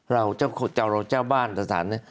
เราเจ้าบ้านตรฐานเนี่ย